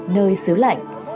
nơi xứ lạnh